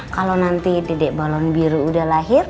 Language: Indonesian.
kalau nanti dedek balon biru udah lahir